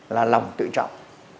là lòng tự trọng